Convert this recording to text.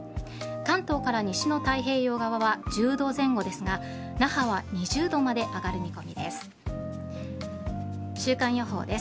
関東から西の太平洋側は１０度前後ですが那覇は２０度まで上がる見込みです。